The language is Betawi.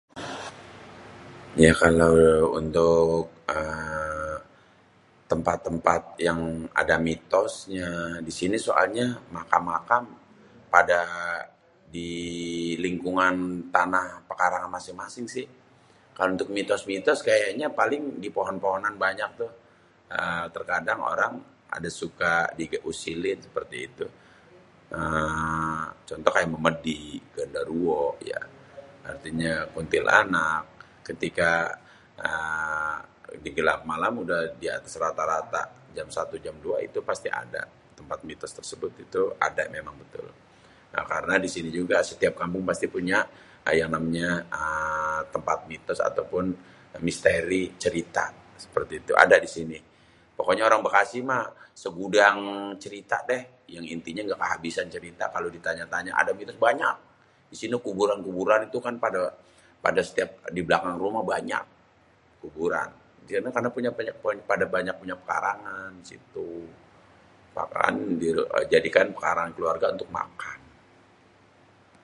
Ya kalau untuk uhm tempat-tempat yang ada mitosnya, di sini soalnya makam-makam pada di lingkungan tanah pekarangan masing-masing sih. Kalo untuk mitos-mitos kayaknya paling di pohon-pohonan banyak tuh uhm terkadang orang ada suka diusilin seperti itu,[uhm] contoh kayak memedi genderuwo kuntilanak. Ketika digelap malam udah di atas rata-rata jam satu, jam dua itu pasti ada tempat mitos tersebut itu ada karena di sini juga setiap kampung pasti punya yang namanya uhm tempat mitos atau pun misteri cerita seperti itu ada di sini. Pokonya orang bekasi mah segudang cerita deh, yang intinya nggak kehabisan cerita kalo ditanya-tanya ada mitos banyak di sini, kuburan-kuburan pada di setiap di belakang rumah banyak kuburan, di sana karena pada punya banyak pekarangan di situ. Jadi kan pekarangan keluarga untuk makan.